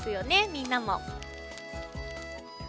みんなも。